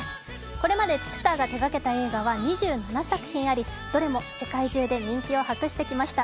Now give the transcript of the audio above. これまでピクサーが手がけた映画は２７作品ありどれも世界中で人気を博してきました。